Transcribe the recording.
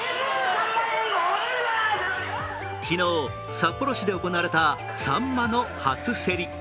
昨日、札幌市で行われたサンマの初競り。